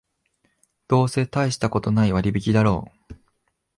どうせたいしたことない割引だろう